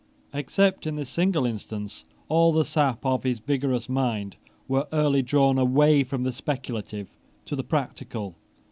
Except in this single instance, all the sap of his vigorous mind was early drawn away from the speculative to the practical.